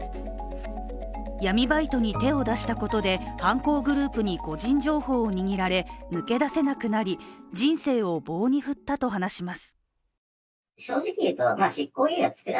闇バイトに手を出したことで犯行グループに個人情報を握られ抜け出せなくなり人生を棒に振ったと話します。